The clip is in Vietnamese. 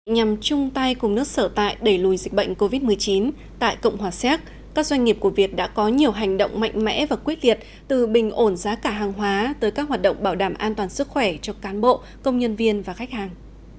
nhằm chung tay cùng nước sở tại đẩy lùi dịch bệnh covid một mươi chín tại cộng hòa xéc các doanh nghiệp của việt đã có nhiều hành động mạnh mẽ và quyết liệt từ bình ổn giá cả hàng hóa tới các hoạt động bảo đảm an toàn sức khỏe cho cán bộ công nhân viên và khách hàng